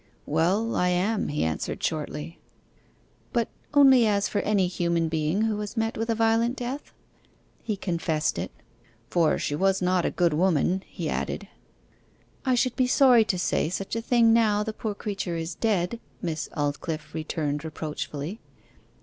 'Well, I am,' he answered shortly. 'But only as for any human being who has met with a violent death?' He confessed it 'For she was not a good woman,' he added. 'I should be sorry to say such a thing now the poor creature is dead,' Miss Aldclyffe returned reproachfully.